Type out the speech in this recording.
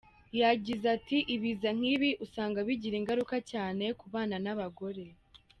Yagize ati “Ibiza nk’ibi usanga bigira ingaruka cyane ku bana n’abagore.